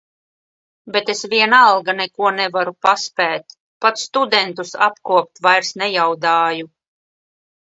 Bet es vienalga neko nevaru paspēt, pat studentus apkopt vairs nejaudāju.